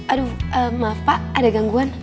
aduh maaf pak ada gangguan